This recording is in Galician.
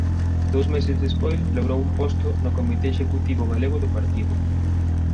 Dous meses despois logrou un posto no comité executivo galego do partido.